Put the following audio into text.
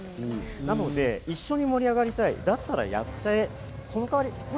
なので、一緒に盛り上がりたい、だったらやっちゃえ！